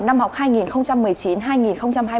năm học hai nghìn một mươi chín hai nghìn hai mươi